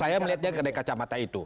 saya melihatnya dari kacamata itu